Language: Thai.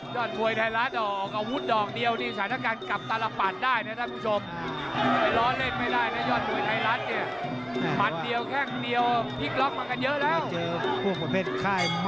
ยอดมวยไทยรัฐเอาอาวุธดอกเดียวนี่สาธารณกรรมกลับตลาดปัดได้นะท่านผู้ชม